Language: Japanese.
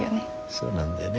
そうなんだよね